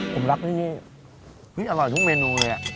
ผมรักที่นี่อุ๊ยอร่อยทุกเมนูเลยอ่ะ